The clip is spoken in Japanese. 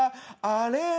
あれ？